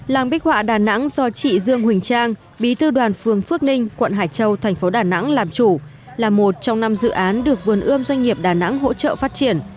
làng bích họa đà nẵng do chị dương huỳnh trang bí thư đoàn phường phước ninh quận hải châu thành phố đà nẵng làm chủ là một trong năm dự án được vườn ươm doanh nghiệp đà nẵng hỗ trợ phát triển